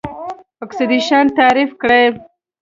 اکسیدیشن تعریف کړئ.